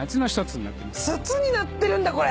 筒になってるんだこれ。